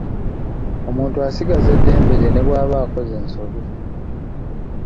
Omuntu asigaza eddembe lye ne bw'aba akoze ensobi.